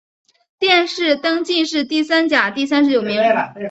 殿试登进士第三甲第三十九名。